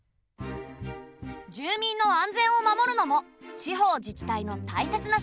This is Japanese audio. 住民の安全を守るのも地方自治体のたいせつな仕事だ。